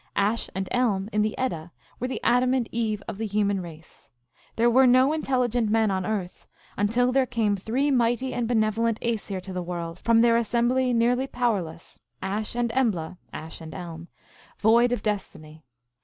Ash and Elm in the Edda were the Adam and Eve of the human race. There were no intelligent men on earth " Until there came three mighty and benevolent Aesir to the world from their assembly nearly powerless, Ash and Embla (Ash and Elm), void of destiny.